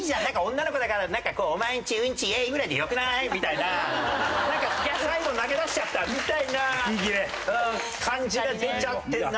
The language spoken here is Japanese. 女の子だから「お前ん家うんちイエーイ！」ぐらいでよくない？みたいな最後投げ出しちゃったみたいな感じが出ちゃってるなっていう。